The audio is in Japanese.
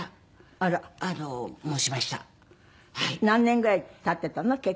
何年ぐらい経ってたの？